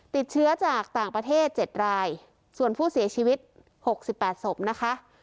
ติดเชื้อจากต่างประเทศ๗รายส่วนผู้เสียชีวิต๖๘ศพนะคะ